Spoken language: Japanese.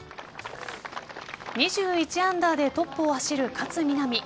２１アンダーでトップを走る勝みなみ。